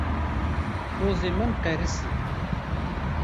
Pozê min qerisî.